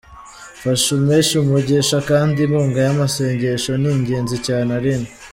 mfasha umpeshe umugisha kandi inkunga yamasengesho ni ingenzi cyane, Aline.